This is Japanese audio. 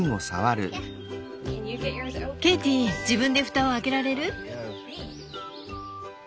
ケイティ自分で蓋を開けられる？